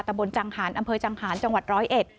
ตะบนจังหารอำเภอจังหารจังหวัด๑๐๑